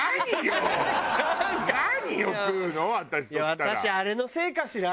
「私あれのせいかしら？」